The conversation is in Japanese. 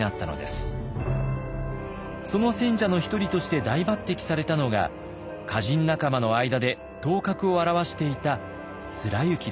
その選者の一人として大抜擢されたのが歌人仲間の間で頭角を現していた貫之でした。